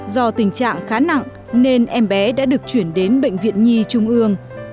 do tình trạng khá nặng nên em bé đã được chuyển đến bệnh viện nhi trung ương